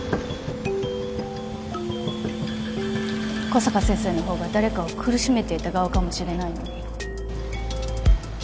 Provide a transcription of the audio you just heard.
小坂先生の方が誰かを苦しめていた側かもしれないのに